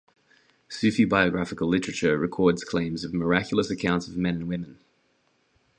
Sufi biographical literature records claims of miraculous accounts of men and women.